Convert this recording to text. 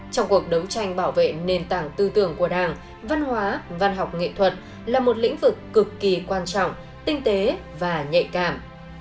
trong cuộc đấu tranh bảo vệ nền tảng tư tưởng của đảng văn hóa văn học nghệ thuật là một lĩnh vực cực kỳ quan trọng tinh tế và nhạy cảm